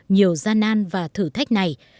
nhiều gian nan và thử thách này